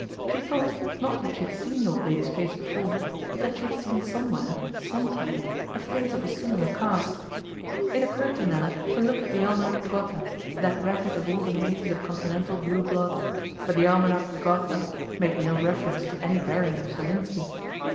She thought, not that she had seen the old lady's face before, but that she had seen somewhere, some time, a face of a similar cast. It occurred to Nella to look at the 'Almanach de Gotha' that record of all the mazes of Continental blue blood; but the 'Almanach de Gotha' made no reference to any barony of Zerlinski.